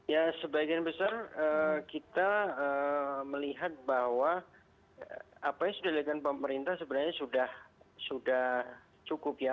ya sebagian besar kita melihat bahwa apanya sudah dilihatkan pemerintah sebenarnya sudah cukup ya